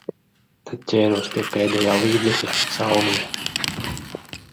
Tad ķēros pie pēdējā līdzekļa – salmiņa.